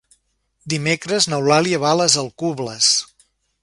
Dimecres n'Eulàlia va a les Alcubles.